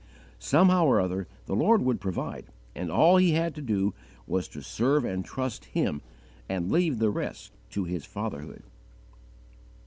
Somehow or other the Lord would provide, and all he had to do was to serve and trust Him and leave the rest to His Fatherhood.